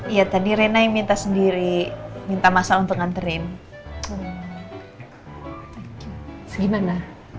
iya tadi rina minta sendiri minta masa untuk nganterin gimana